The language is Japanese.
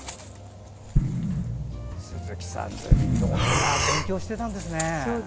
鈴木さん、いろんな勉強をしていたんですね。